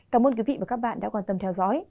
cảm ơn quý vị và các bạn đã quan tâm theo dõi